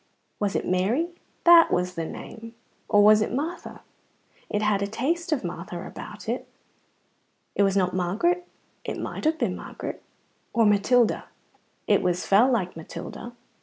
Was it Mary? That was the name. Or was it Martha? It had a taste of Martha about it. It was not Margaret? It might have been Margaret. Or Matilda? It was fell like Matilda.